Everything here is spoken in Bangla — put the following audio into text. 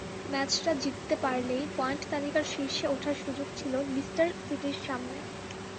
ম্যাচটা জিততে পারলেই পয়েন্ট তালিকার শীর্ষে ওঠার সুযোগ ছিল লিস্টার সিটির সামনে।